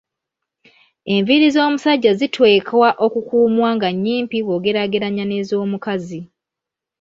Enviiri z’omusajja ziteekwa okukuumwa nga nnyimpi bw’ogerageranya n’ezomukazi.